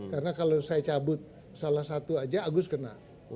karena kalau saya cabut salah satu aja agus kena